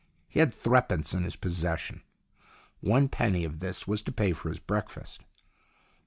He had threepence in his possession. One penny of this was to pay for his breakfast.